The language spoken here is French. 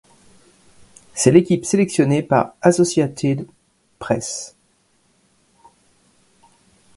C'est l'équipe sélectionnée par Associated Press.